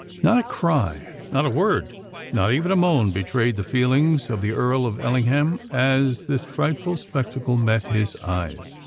Not a cry—not a word—not even a moan betrayed the feelings of the Earl of Ellingham, as this frightful spectacle met his eyes.